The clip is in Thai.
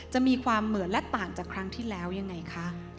จะมีความเหมือนและต่างจากครั้งที่แล้วยังไงคะ